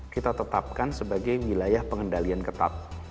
kita tetapkan sebagai wilayah pengendalian ketat